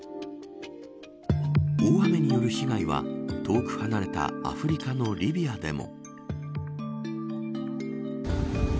大雨による被害は、遠く離れたアフリカのリビアでも。